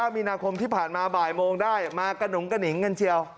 มีนาคมที่ผ่านมาบ่ายโมงได้มากระหนุงกระหนิงกันเชียว